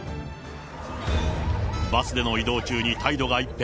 バスでの移動中に態度が一変。